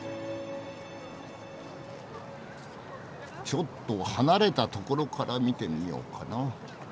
ちょっと離れたところから見てみようかな。